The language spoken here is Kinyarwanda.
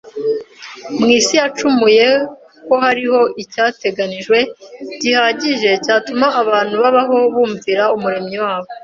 mu isi yacumuye ko hariho icyateganijwe gihagije cyatuma abantu babaho bumvira Umuremyi wabo.